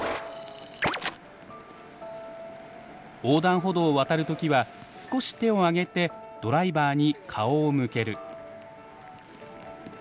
横断歩道を渡る時は少し手を上げてドライバーに顔を向ける。